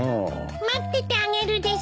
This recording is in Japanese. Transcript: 待っててあげるです。